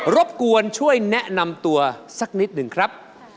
รบกวนช่วยแนะนำตัวสักนิดหนึ่งครับ